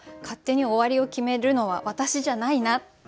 勝手に終わりを決めるのは私じゃないな。